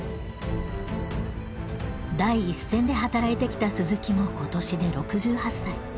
第一線で働いてきた鈴木も今年で６８歳。